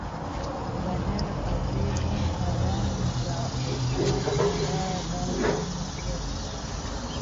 mbadala kwa zile haramu za opiati Ingawa dawa zenyewe pia zinaweza